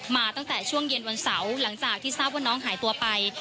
มาตั้งแต่ช่วงเย็นวันเสาร์หลังจากที่ทราบว่าน้องหายตัวไป